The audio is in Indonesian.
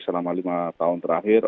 selama lima tahun terakhir